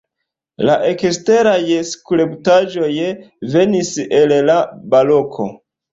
La eksteraj skulptaĵoj venis el la baroko.